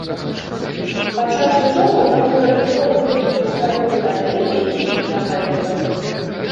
Падчас вучобы ён выкарыстоўваў тэхніку гравюры на дрэве і лінагравюры.